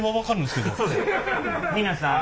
皆さん。